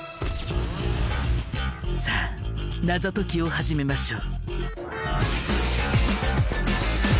さあ謎解きを始めましょう。